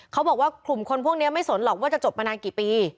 เขาบอกว่ากลุ่มคนพวกนี้ไม่สนหรอกว่าจะจบมานานกี่ปี